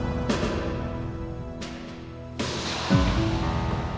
kamu sudah berpikir pikir